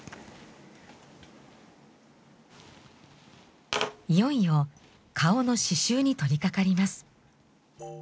いよいよ顔の刺しゅうに取りかかります。